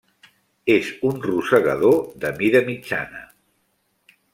És un rosegador de mida mitjana.